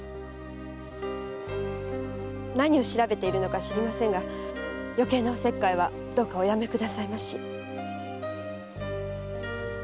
何を調べているのか知りませんが余計なお節介はどうかおやめくださいまし。